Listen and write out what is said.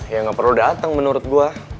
ya gak perlu datang menurut gue